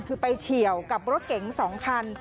คือไปเฉียวกับรถเก๋ง๒คัน